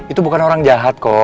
itu bukan orang jahat kok